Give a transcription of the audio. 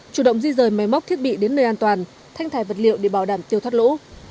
chủ động di rời máy móc thiết bị đến nơi an toàn thanh thái vật liệu để bảo đảm tiêu thoát lũ